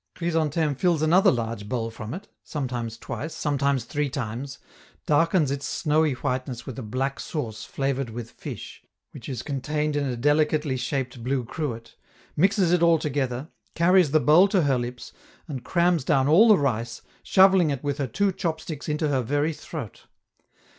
Chrysantheme fills another large bowl from it (sometimes twice, sometimes three times), darkens its snowy whiteness with a black sauce flavored with fish, which is contained in a delicately shaped blue cruet, mixes it all together, carries the bowl to her lips, and crams down all the rice, shovelling it with her two chop sticks into her very throat.